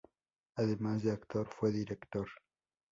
Además de actor fue director.